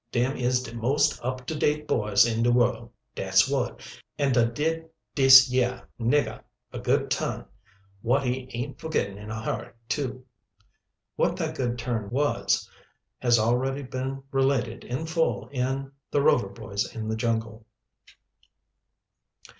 "Dem is de most up to date boys in de world, dat's wot, and da did dis yeah niggah a good turn wot he aint forgittin' in a hurry, too." What that good turn was has already been related in full in "The Rover Boys in the Jungle."